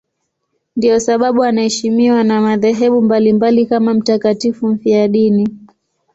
Ndiyo sababu anaheshimiwa na madhehebu mbalimbali kama mtakatifu mfiadini.